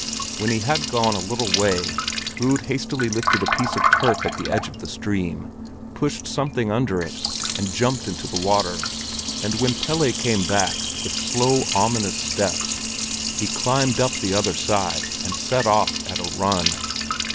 When he had gone a little way, Rud hastily lifted a piece of turf at the edge of the stream, pushed something in under it, and jumped into the water; and when Pelle came back with slow, ominous steps, he climbed up the other side and set off at a run.